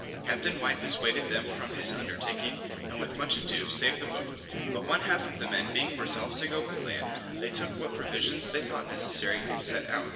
Captain White dissuaded them from this undertaking, and with much ado, saved the boat; but one half of the men being resolved to go by land, they took what provisions they thought necessary, and set out.